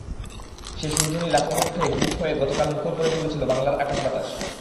সেই সুরধ্বনি লাখো কণ্ঠে গীত হয়ে গতকাল মুখর করে তুলেছিল বাংলার আকাশ-বাতাস।